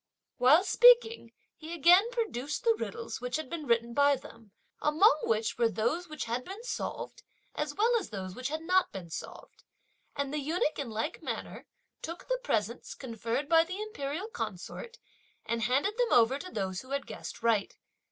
While speaking, he again produced the riddles, which had been written by them, among which were those which had been solved, as well as those which had not been solved; and the eunuch, in like manner, took the presents, conferred by the imperial consort, and handed them over to those who had guessed right.